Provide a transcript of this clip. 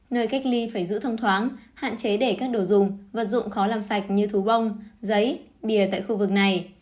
nơi cách ly phải giữ thông thoáng hạn chế để các đồ dùng vật dụng khó làm sạch như thú bông giấy bìa tại khu vực này